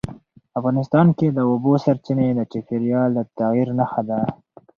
افغانستان کې د اوبو سرچینې د چاپېریال د تغیر نښه ده.